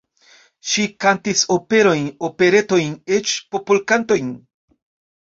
Ŝi kantis operojn, operetojn, eĉ popolkantojn.